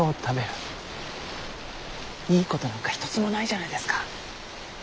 いいことなんか一つもないじゃないですか。